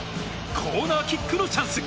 コーナーキックのチャンス。